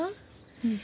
うん。